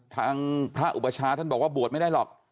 ทางพระอุปชาท่านบอกว่าบวชไม่ได้หรอก